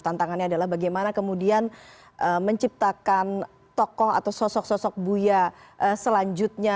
tantangannya adalah bagaimana kemudian menciptakan tokoh atau sosok sosok buya selanjutnya